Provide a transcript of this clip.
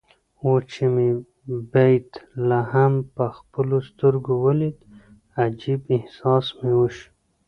اوس چې مې بیت لحم په خپلو سترګو ولید عجيب احساس مې وشو.